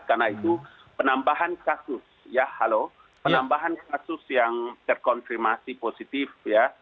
karena itu penambahan kasus ya halo penambahan kasus yang terkonfirmasi positif ya